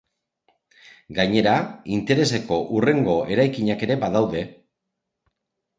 Gainera, intereseko hurrengo eraikinak ere badaude.